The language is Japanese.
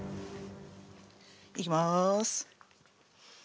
いきます。